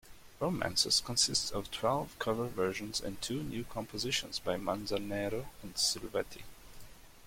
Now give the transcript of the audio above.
"Romances" consists of twelve cover versions and two new compositions by Manzanero and Silvetti.